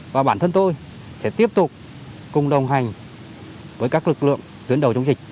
và bản thân tôi sẽ tiếp tục cùng đồng hành với các lực lượng tuyến đầu chống dịch